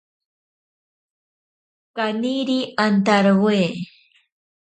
Kaniri antarowe.